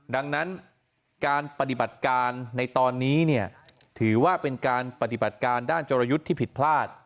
ดังนั้นการปฏิบัติการในตอนนี้เนี่ยถือว่าเป็นการปฏิบัติการด้านจรยุทธ์ที่ผิดพลาด